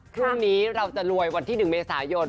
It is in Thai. พรุ่งนี้เราจะรวยวันที่๑เมษายน